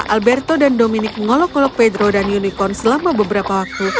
alberto dan dominic mengolok ngolok pedro dan unicorn selama beberapa waktu